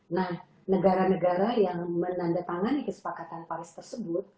nah negara negara yang menandatangani kesepakatan paris tersebut